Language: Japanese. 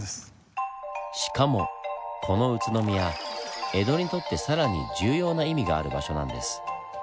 しかもこの宇都宮江戸にとって更に重要な意味がある場所なんです。